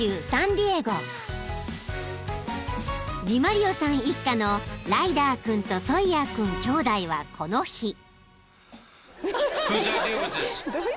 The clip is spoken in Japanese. ［ディマリオさん一家のライダー君とソイヤー君兄弟はこの日］